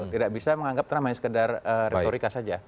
tidak bisa dianggap sekedar retorika saja